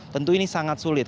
tentu ini sangat sulit